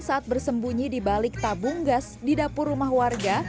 saat bersembunyi di balik tabung gas di dapur rumah warga